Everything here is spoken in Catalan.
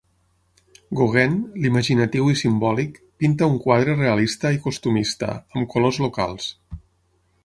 Gauguin, l'imaginatiu i simbòlic, pinta un quadre realista i costumista, amb colors locals.